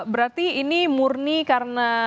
berarti ini murni karena